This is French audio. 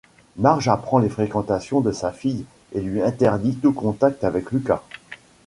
Marge apprend les fréquentations de sa fille et lui interdit tout contact avec Lucas.